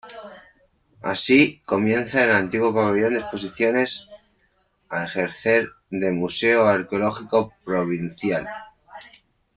Así comienza el antiguo pabellón de exposiciones a ejercer de Museo Arqueológico Provincial.